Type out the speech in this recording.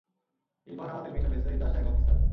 ইরফান আমাদের মিশন ভেস্তে দিতে আসা এক অফিসার।